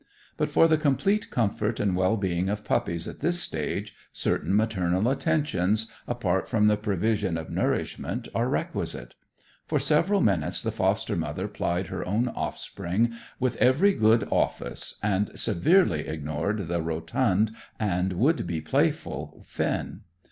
But for the complete comfort and well being of puppies at this age, certain maternal attentions, apart from the provision of nourishment, are requisite. For several minutes the foster mother plied her own offspring with every good office, and severely ignored the rotund and would be playful Finn.